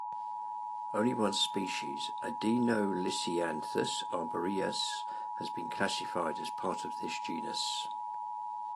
Only one species, Adenolisianthus arboreus, has been classified as part of this genus.